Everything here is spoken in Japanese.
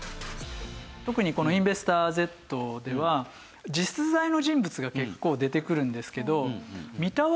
特にこの『インベスターＺ』では実在の人物が結構出てくるんですけど。